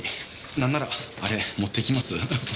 なんならあれ持って行きます？